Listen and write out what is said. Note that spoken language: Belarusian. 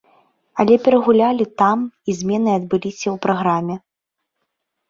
Але перагулялі там і змены адбыліся ў праграме.